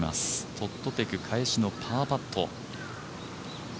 トッド・ペク、返しのパーパット。